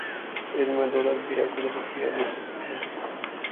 علم میں دولت بھی ہے ،قدرت بھی ہے ،لذت بھی ہے